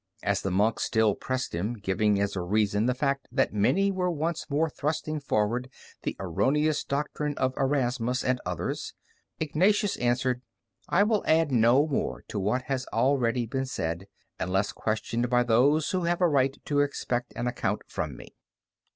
As the monk still pressed him, giving as a reason the fact that many were once more thrusting forward the erroneous doctrine of Erasmus and others, Ignatius answered, "I will add no more to what has already been said, unless questioned by those who have a right to expect an account from me."